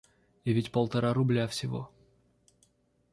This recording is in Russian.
И ведь полтора рубля всего...